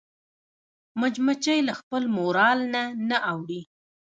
مچمچۍ له خپل مورال نه نه اوړي